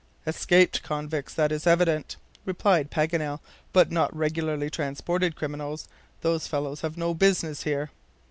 "Escaped convicts, that is evident," replied Paganel, "but not regularly transported criminals. Those fellows have no business here."